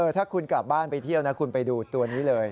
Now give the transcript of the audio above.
ถ้าคุณกลับบ้านไปเที่ยวนะคุณไปดูตัวนี้เลย